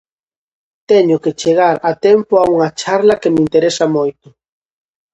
Teño que chegar a tempo a unha charla que me interesa moito.